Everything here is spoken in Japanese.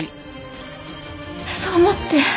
そう思って。